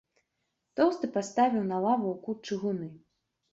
Тоўсты паставіў на лаву ў кут чыгуны.